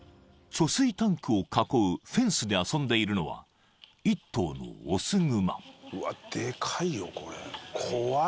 ［貯水タンクを囲うフェンスで遊んでいるのは一頭の雄熊］